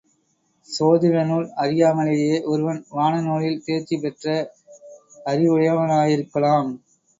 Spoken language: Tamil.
சோதிடநூல் அறியாமலேயே ஒருவன் வானநூலில் தேர்ச்சி பெற்ற அறிவுடையவனாயிருக்கலாம்.